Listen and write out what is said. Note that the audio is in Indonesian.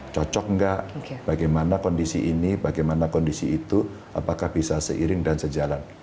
cocok nggak bagaimana kondisi ini bagaimana kondisi itu apakah bisa seiring dan sejalan